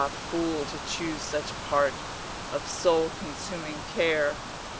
fool, to choose such part Of soul consuming care!